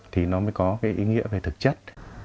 thì nó mới có ý nghĩa về thực chất